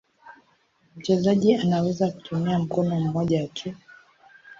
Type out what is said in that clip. Mchezaji anaweza kutumia mkono mmoja tu.